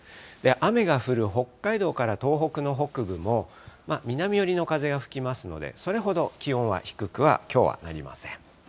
雨が降る北海道から東北の北部も、南寄りの風が吹きますので、それほど気温は低くは、きょうはなりません。